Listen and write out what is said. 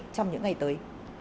trong những ngày tới